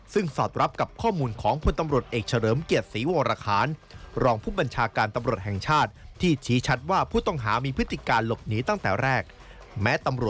ซึ่งสอดรับกับข้อมูลของพตำรวจเอกเฉลิมเกียรติศรีโวรคาร